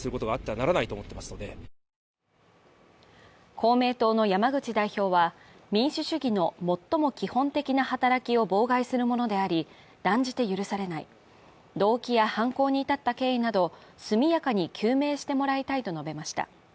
公明党の山口代表は、民主主義の最も基本的な働きを妨害するものであり、断じて許されない、動機や犯行に至った経緯など、速やかに究明してもらいたいと述べました。